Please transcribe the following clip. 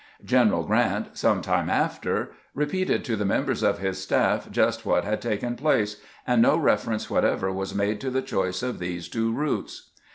General Grant some time after repeated to members of his staff just what had taken place, and no reference whatever was made to the choice of these two routes.